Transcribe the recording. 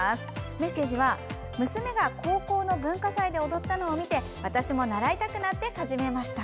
メッセージは娘が高校の文化祭で踊ったのを見て私も習いたくなって始めました。